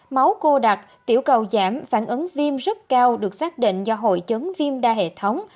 máu cô đặc tiểu cầu chảm phản ứng vim rất cao được xác định do hội chứng vimda hệ thống